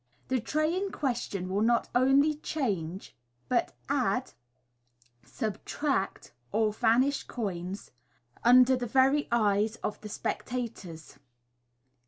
The tray in question will not only change, but add, sub tract, or vanish coins, under the very eyes of the spectators.